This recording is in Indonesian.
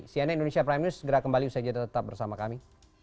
cnn indonesia prime news segera kembali usaha jadwal tetap bersama kami